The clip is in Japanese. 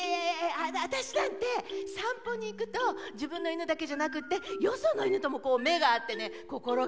私なんて散歩に行くと自分の犬だけじゃなくってよその犬ともこう目が合ってね心が通じ合うんですよ。